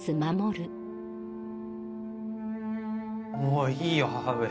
もういいよ母上。